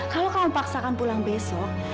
kalau kamu paksakan pulang besok